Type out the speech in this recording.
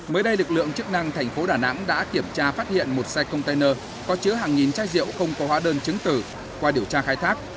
mới đây lực lượng chức năng thành phố đà nẵng đã kiểm tra phát hiện một xe container có chứa hàng nghìn chai rượu không có hóa đơn chứng tử qua điều tra khai thác